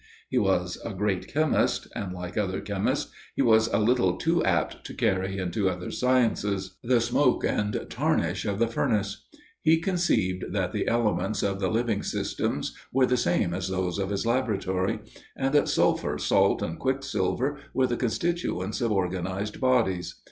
He was a great chemist, and like other chemists, he was a little too apt to carry into other sciences "the smoke and tarnish of the furnace." He conceived that the elements of the living system were the same as those of his laboratory, and that sulphur, salt, and quicksilver, were the constituents of organized bodies.